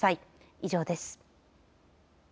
以上です。